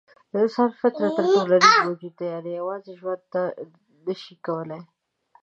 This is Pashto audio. انسان فطرتاً ټولنیز موجود دی؛ یعنې یوازې ژوند نه شي کولای.